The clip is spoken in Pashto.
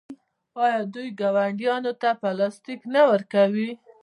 آیا دوی ګاونډیانو ته پلاستیک نه ورکوي؟